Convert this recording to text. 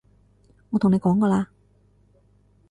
我同你講過啦